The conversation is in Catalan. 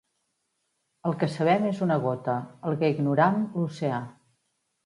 El que sabem és una gota; el que ignoram, l'oceà.